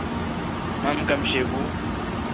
Maamka mshekuu.